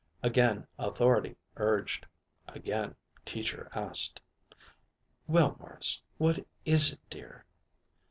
Again authority urged. Again Teacher asked: "Well, Morris, what is it, dear?"